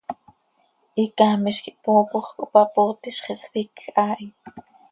Hicaamiz quih hpoopox, cohpapootizx, ihsfíc haa hi.